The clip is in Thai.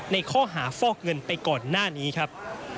ในข้อหาฟอกเงินไปก่อนหน้านี้ครับ